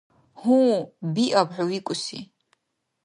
Гьу, биаб хӀу викӀуси.